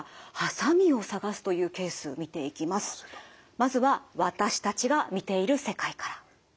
まずは私たちが見ている世界から。